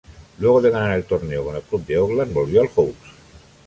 Luego de ganar el torneo con el club de Auckland, volvió al Hawke's.